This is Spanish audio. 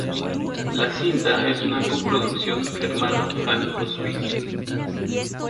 La cinta es una coproducción germano-franco-suiza.